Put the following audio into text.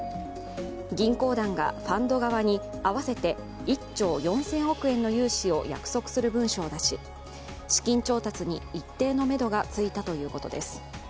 銀行団がファンド側に合わせて１兆４０００億円の融資を約束する文書を出し、資金調達に一定のめどがついたということです。